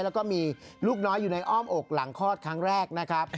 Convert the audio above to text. แล้วก็มีลูกน้อยอยู่ในอ้อมอกหลังคลอดครั้งแรกนะครับ